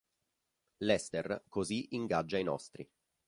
Lester così ingaggia i nostri.